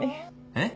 えっ？